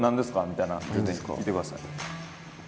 みたいな全然聞いてください。